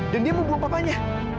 dan dia mau buang papanya